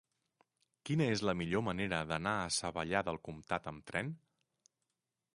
Quina és la millor manera d'anar a Savallà del Comtat amb tren?